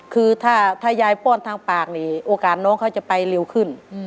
คือถ้ายายป้อนทางปากนี่โอกาสน้องเขาจะไปเร็วขึ้น